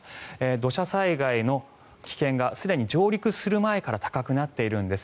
土砂災害の危険がすでに上陸する前から高くなっているんです。